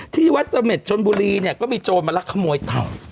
ที่วัดเสม็ดชนบุรีเนี่ยก็มีโจรมาลักขโมยเต่า